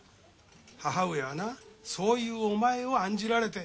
母上はなそういうお前を案じられて。